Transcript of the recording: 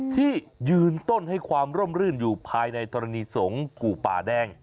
ที่ยืนต้นให้ความร่มรื่นอยู่ภายในธรณีสงฆ์กู่ป่าแดง